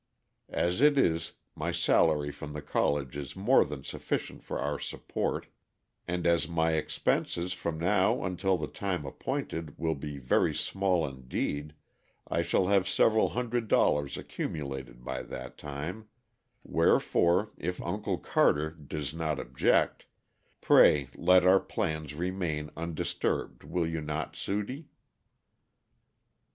As it is, my salary from the college is more than sufficient for our support, and as my expenses from now until the time appointed will be very small indeed, I shall have several hundred dollars accumulated by that time; wherefore if Uncle Carter does not object, pray let our plans remain undisturbed, will you not, Sudie?"